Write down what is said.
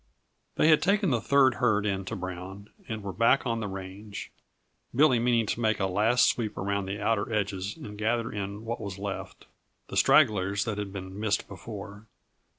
They had taken the third herd in to Brown, and were back on the range; Billy meaning to make a last sweep around the outer edges and gather in what was left the stragglers that had been missed before.